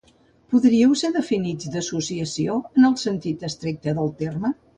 Podríeu ser definits d’associació en el sentit estricte del terme?